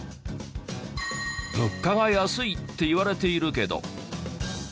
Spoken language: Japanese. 物価が安いっていわれているけど。